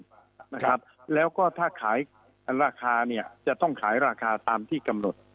นะครับแล้วก็ถ้าขายราคาเนี่ยจะต้องขายราคาตามที่กำหนด